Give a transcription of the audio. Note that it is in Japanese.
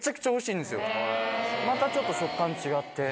またちょっと食感違って。